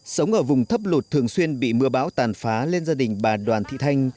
sống ở vùng thấp lột thường xuyên bị mưa bão tàn phá lên gia đình bà đoàn thị thanh